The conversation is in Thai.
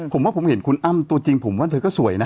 ผมว่าผมเห็นคุณอ้ำตัวจริงผมว่าเธอก็สวยนะ